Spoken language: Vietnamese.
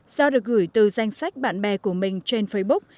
do được gửi từ danh sách bạn bè của mình trên facebook